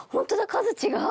数違う。